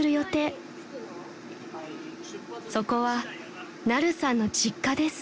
［そこはナルさんの実家です］